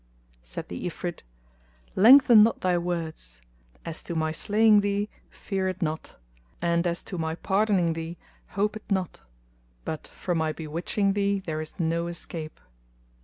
Said the Ifrit, "Lengthen not thy words! As to my slaying thee fear it not, and as to my pardoning thee hope it not; but from my bewitching thee there is no escape."